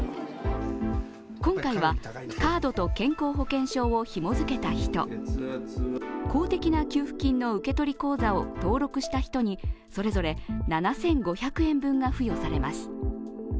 今回はカードと健康保険証をひも付けた人、公的な給付金の受け取り口座を登録した人にそれぞれ７５００円分が付与されます。